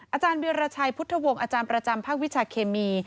อาจารย์วิราชัยพุทธวงศ์อาจารย์ประจำภาควิชาเคมี